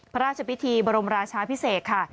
พระราชพิธีบรมราชาพิเศษค่ะ